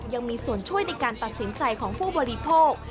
ยังมีส่วนช่วยในการตัดสินใจของผู้บริโภค